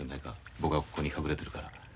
僕はここに隠れてるから。